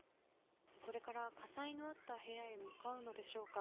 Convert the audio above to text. これから火災のあった部屋へ向かうのでしょうか。